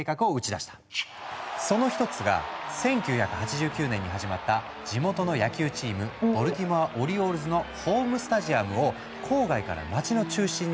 その一つが１９８９年に始まった地元の野球チームボルティモア・オリオールズのホームスタジアムを郊外から街の中心に移す建設計画だった。